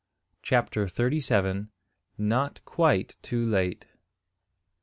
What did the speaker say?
CHAPTER THIRTY SEVEN. NOT QUITE TOO LATE.